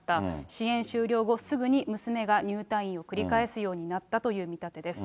支援終了後、すぐに娘が入退院を繰り返すようになったという見立てです。